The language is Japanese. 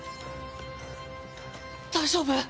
大丈夫？